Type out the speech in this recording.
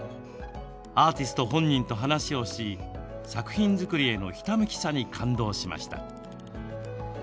アーティスト本人と話をし作品づくりへの、ひたむきさに感動しました。